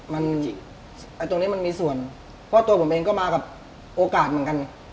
มันตรงนี้มันมีส่วนเพราะตัวผมเองก็มากับโอกาสเหมือนกัน